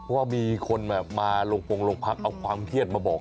ว่ามีคนมาลงโปรงลงพักเอาความเครียดมาบอก